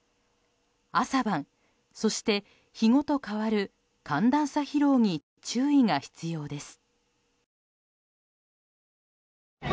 朝晩、そして日ごと変わる寒暖差疲労に注意が必要です。